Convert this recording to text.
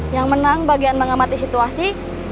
yang menang bagian mengamati situasi